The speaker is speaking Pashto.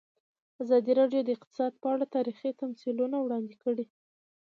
ازادي راډیو د اقتصاد په اړه تاریخي تمثیلونه وړاندې کړي.